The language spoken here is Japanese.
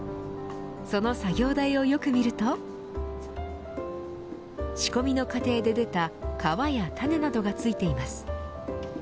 その作業台をよく見ると仕込みの過程で出た皮や種などがついています。